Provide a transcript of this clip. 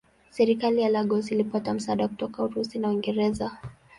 Serikali ya Lagos ilipata msaada kutoka Urusi na Uingereza.